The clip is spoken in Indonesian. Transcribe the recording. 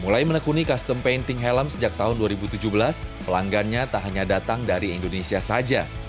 mulai menekuni custom painting helm sejak tahun dua ribu tujuh belas pelanggannya tak hanya datang dari indonesia saja